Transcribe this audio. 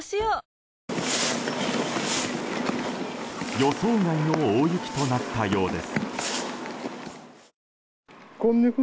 予想外の大雪となったようです。